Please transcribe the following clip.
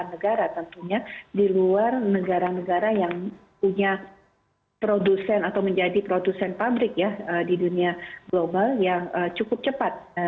negara tentunya di luar negara negara yang punya produsen atau menjadi produsen pabrik ya di dunia global yang cukup cepat